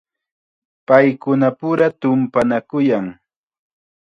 Paykunapura tumpanakuyan.